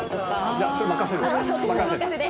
じゃあそれ任せる任せる。